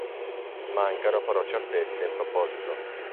Mancano però certezze in proposito.